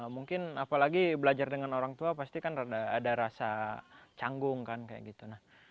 mungkin apalagi belajar dengan orang tua pasti kan ada rasa canggung kan kayak gitu